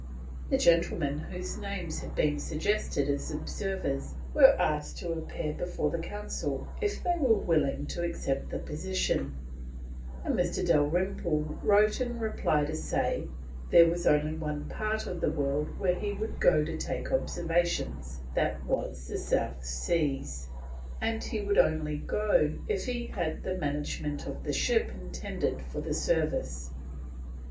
The gentlemen whose names had been suggested as observers were asked to appear before the Council if they were willing to accept the position, and Mr. Dalrymple wrote in reply to say there was only one part of the world where he would go to take observations, that was the South Seas, and he would only go if he had "the management of the ship intended for the service."